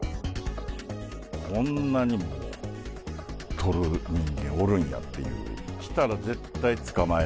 こんなにもとる人間おるんやっていう。